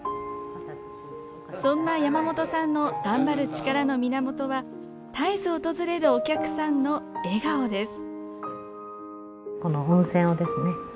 そんな山本さんの頑張る力の源は絶えず訪れるお客さんの笑顔です。